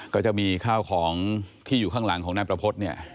ก็จะมีข้าวของที่อยู่ข้างหลังของนายประพฤติเนี่ย